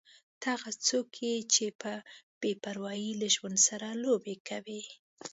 ته هغه څوک یې چې په بې پروايي له ژوند سره لوبې کوې.